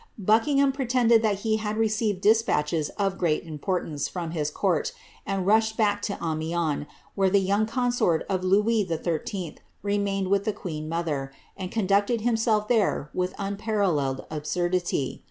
Buckingham pretended that he had received despatches of great importance from his court, and rushed back to Amiens, where the young consort of Louis XIII. remained with the queen mother, and conducted himself there with unparalleled ab surdity.